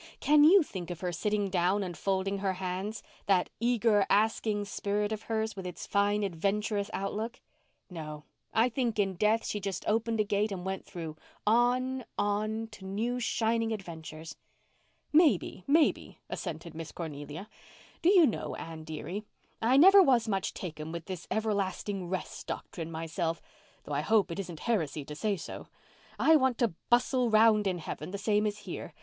Can you think of her sitting down and folding her hands—that eager, asking spirit of hers, with its fine adventurous outlook? No, I think in death she just opened a gate and went through—on—on—to new, shining adventures." "Maybe—maybe," assented Miss Cornelia. "Do you know, Anne dearie, I never was much taken with this everlasting rest doctrine myself—though I hope it isn't heresy to say so. I want to bustle round in heaven the same as here.